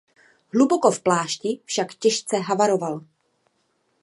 Hluboko v plášti však těžce havaroval.